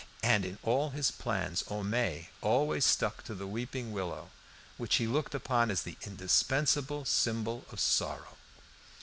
And in all his plans Homais always stuck to the weeping willow, which he looked upon as the indispensable symbol of sorrow.